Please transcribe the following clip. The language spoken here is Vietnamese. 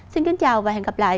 xin kính chào và hẹn gặp lại